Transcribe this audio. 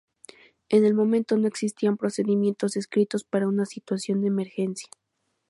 En el momento no existían procedimientos escritos para una situación de emergencia.